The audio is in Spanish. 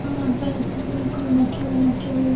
¡ Fuera de mi camino! ¡ aquí vienen! ¡ aquí vienen! ¡ oh!